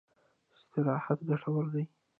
استراحت ګټور دی.